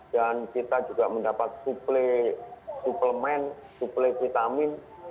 dan kita juga mendapat suplemen suple vitamin